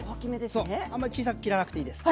そうあんまり小さく切らなくていいです。